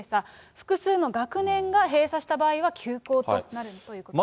複数の学年が閉鎖した場合は休校となるということです。